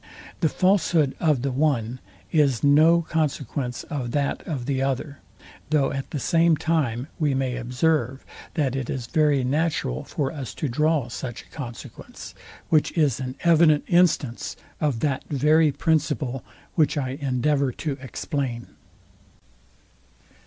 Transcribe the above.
The falshood of the one is no consequence of that of the other; though at the same time we may observe, that it is very natural for us to draw such a consequence; which is an evident instance of that very principle, which I endeavour to explain.